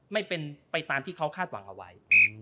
ไม่เป็นไปตามที่เขาคาดหวังเอาไว้